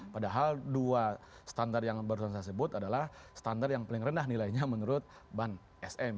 padahal dua standar yang barusan saya sebut adalah standar yang paling rendah nilainya menurut ban sm